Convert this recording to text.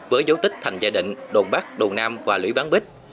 với dấu tích thành gia định đồn bắc đồn nam và lưỡi bán bích